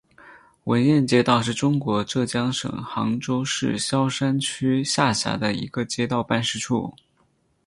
闻堰街道是中国浙江省杭州市萧山区下辖的一个街道办事处。